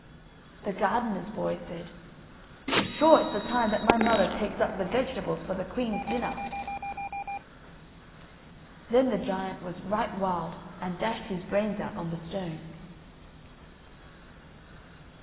The gardener's boy said: "Sure it's the time that my mother takes up the vegetables for the queen's dinner." Then the giant was right wild and dashed his brains out on the stone.